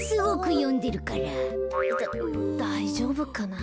だだいじょうぶかな？